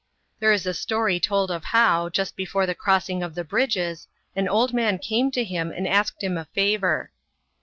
There is a story told of how, just before the crossing of teie bridges, an old man came to him and asked him a favour.